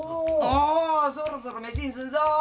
そろそろ飯にすんぞ。